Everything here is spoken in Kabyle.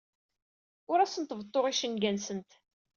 Ur asent-beḍḍuɣ icenga-nsent.